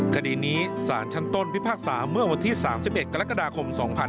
คดีนี้สารชั้นต้นพิพากษาเมื่อวันที่๓๑กรกฎาคม๒๕๕๙